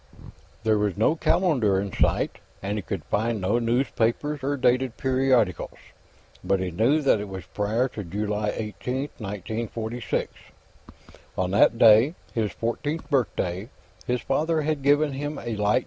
There was no calendar in sight, and he could find no newspapers or dated periodicals, but he knew that it was prior to July 18, 1946. On that day, his fourteenth birthday, his father had given him a light